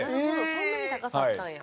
そんなに高さあったんや。